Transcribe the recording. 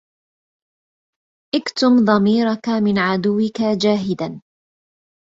اكتم ضميرك من عدوك جاهدا